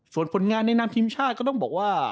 ส่วนผลงานในนามทีมชาติก็ต้องบอกว่า